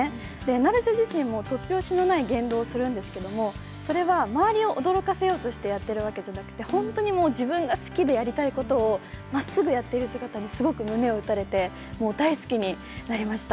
成瀬自身も突拍子もない言動をするんですけれども、それは周りを驚かせようとしてやっているわけじゃなくて、自分が好きでやりたいことをまっすぐやっている姿にすごく胸を打たれて、大好きになりました。